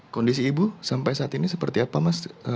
kondisi ibu sampai saat ini seperti apa mas